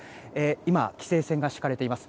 今、規制線が敷かれています。